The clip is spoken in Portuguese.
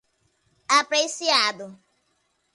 apreciado